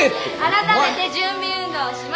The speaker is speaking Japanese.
改めて準備運動をします。